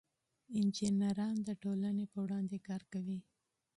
انجینران د ټولنې په وړاندې کار کوي.